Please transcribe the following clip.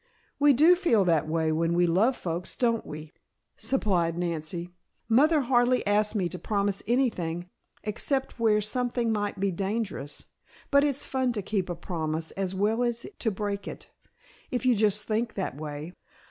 "We do feel that way when we love folks, don't we?" supplied Nancy. "Mother hardly asks me to promise anything, except where something might be dangerous, but it's fun to keep a promise as well as to break it, if you just think that way.